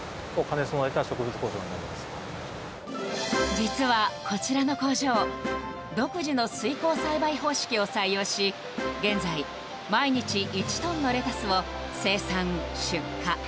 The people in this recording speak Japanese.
実はこちらの工場独自の水耕栽培方式を採用し現在、毎日１トンのレタスを生産・出荷。